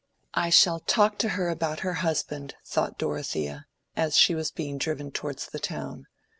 "I shall talk to her about her husband," thought Dorothea, as she was being driven towards the town.